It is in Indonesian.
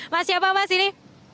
mas siapa mas ini